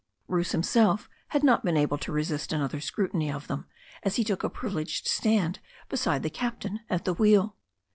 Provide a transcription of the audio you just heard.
Bruce himself had not been able to resist another scru tiny of them as he took a privileged stand beside the cap tain at the wheel.